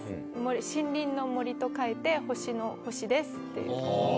森林の「森」と書いて星の「星」ですっていう。